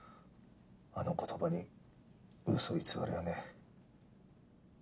あの言葉に嘘偽りはねえ。